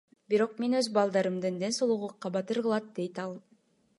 Бирок мени өз балдарымдын ден соолугу кабатыр кылат, — дейт ал.